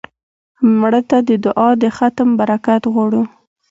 مړه ته د دعا د ختم برکت غواړو